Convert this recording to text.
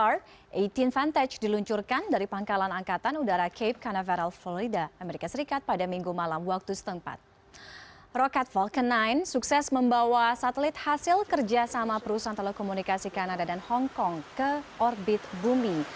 rocket falcon sembilan sukses membawa satelit hasil kerjasama perusahaan telekomunikasi kanada dan hong kong ke orbit bumi